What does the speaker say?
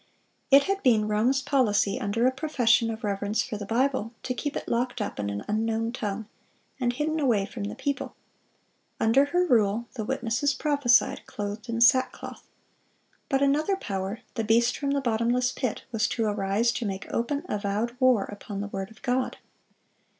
It had been Rome's policy, under a profession of reverence for the Bible, to keep it locked up in an unknown tongue, and hidden away from the people. Under her rule the witnesses prophesied, "clothed in sackcloth." But another power—the beast from the bottomless pit—was to arise to make open, avowed war upon the word of God.